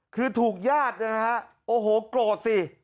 คือถูกญาตินะครับโอ้โหโกรธสิ